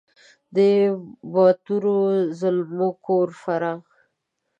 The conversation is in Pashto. د باتورو زلمو کور فراه !